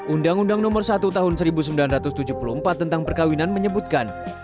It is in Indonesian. undang undang nomor satu tahun seribu sembilan ratus tujuh puluh empat tentang perkawinan menyebutkan